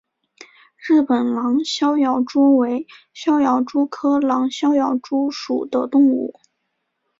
日本狼逍遥蛛为逍遥蛛科狼逍遥蛛属的动物。